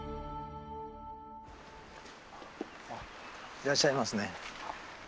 いらっしゃいますね。